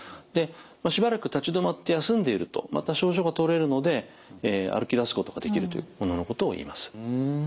しばらく立ち止まって休んでいるとまた症状がとれるので歩きだすことができるというもののことをいいます。